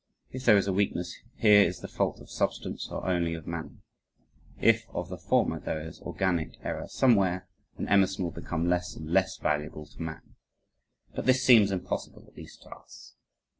If there is a weakness here is it the fault of substance or only of manner? If of the former, there is organic error somewhere, and Emerson will become less and less valuable to man. But this seems impossible, at least to us.